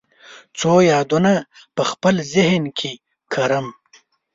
څو یادونه په خپل ذهن کې کرم